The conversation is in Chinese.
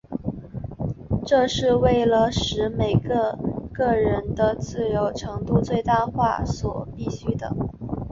这是为了使每个个人的自由程度最大化所必需的。